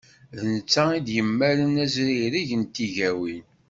D netta i d-yemmalen azrireg n tigawin.